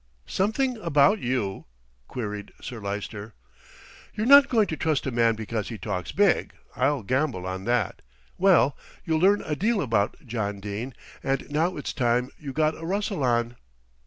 "Something about you!" queried Sir Lyster. "You're not going to trust a man because he talks big, I'll gamble on that. Well, you'll learn a deal about John Dene, and now it's time you got a rustle on."